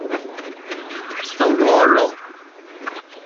Tɔ̀ wɔ̌lɔ̀.